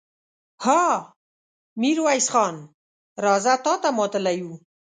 ها! ميرويس خان! راځه، تاته ماتله وو.